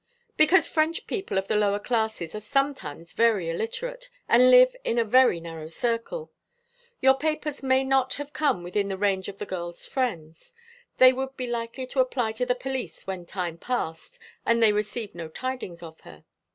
"Because French people of the lower classes are sometimes very illiterate, and live in a very narrow circle. Your papers may not have come within the range of the girl's friends. They would be likely to apply to the police when time passed and they received no tidings of her.